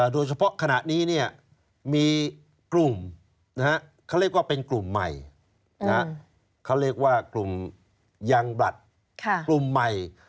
โดยเฉพาะขณะนี้เนี่ยมีกลุ่มนะฮะเขาเรียกว่าเป็นกลุ่มใหม่นะฮะเขาเรียกว่ากลุ่มยังบรรดิ์ค่ะกลุ่มใหม่